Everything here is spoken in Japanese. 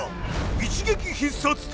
一撃必殺隊